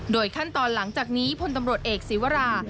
ขั้นตอนหลังจากนี้พลตำรวจเอกศีวรา